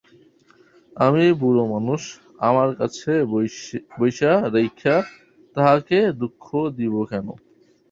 আমি বুড়োমানুষ, আমার কাছে বসাইয়া রাখিয়া তাহাকে দুঃখ দিব কেন?